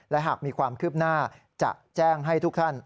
และหากมีความคืบหน้าจะแจ้งให้ทุกท่าน